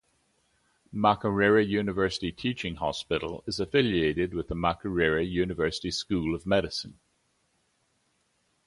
Makerere University Teaching Hospital is affiliated with Makerere University School of Medicine.